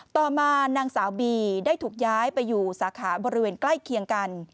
ต่อมานางสาวบีได้ถูกย้ายไปอยู่สาขาบริเวณใกล้เคียงกัน